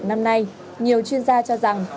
trong năm nay nhiều chuyên gia cho rằng